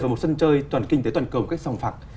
vào một sân chơi toàn kinh tế toàn cầu một cách sòng phạc